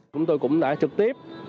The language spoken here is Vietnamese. chúng tôi cũng đã trực tiếp